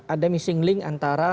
ada missing link antara